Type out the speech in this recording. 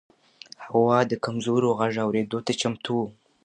هغه د کمزورو غږ اورېدو ته چمتو و.